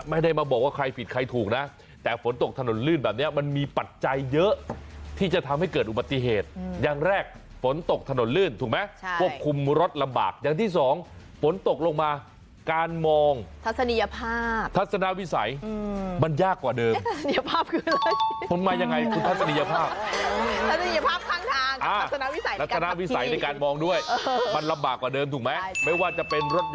ไม่ได้มาบอกว่าใครผิดใครถูกนะแต่ฝนตกถนนลื่นแบบนี้มันมีปัจจัยเยอะที่จะทำให้เกิดอุบัติเหตุอย่างแรกฝนตกถนนลื่นถูกไหมควบคุมรถลำบากอย่างที่สองฝนตกลงมาการมองทัศนียภาพทัศนวิสัยมันยากกว่าเดิมมันมายังไงคุณทัศนียภาพทัศนียภาพข้างทางวิสัยในการมองด้วยมันลำบากกว่าเดิมถูกไหมไม่ว่าจะเป็นรถ